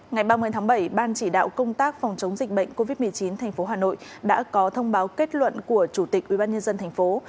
ngày ba mươi tháng bảy ban chỉ đạo công tác phòng chống dịch bệnh covid một mươi chín tp hà nội đã có thông báo kết luận của chủ tịch ubnd tp